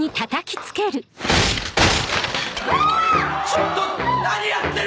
ちょっと！